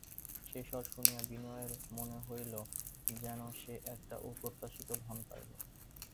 সেই স্বর শুনিয়া বিনয়ের মনে হইল যেন সে একটা অপ্রত্যাশিত ধন পাইল।